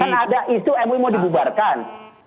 bahkan ada itu mw mau dibubarkan